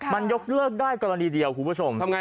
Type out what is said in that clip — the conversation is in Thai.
มันยกเลิกได้กรณีเดียวคุณผู้ชม